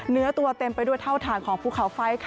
เนื้อตัวเต็มไปด้วยเท่าฐานของภูเขาไฟ